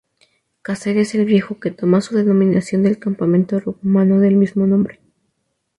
Cáceres el Viejo', que toma su denominación del Campamento Romano del mismo nombre.